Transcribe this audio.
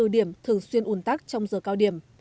ba mươi bốn điểm thường xuyên ủn tắc trong giờ cao điểm